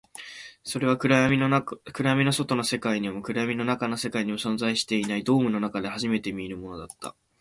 それは暗闇の外の世界にも、暗闇の中の世界にも存在していない、ドームの中で初めて見るものだった